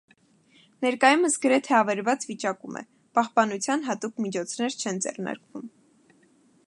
Ներկայումս գրեթե ավերված վիճակում է, պահպանության հատուկ միջոցներ չեն ձեռնարկվում։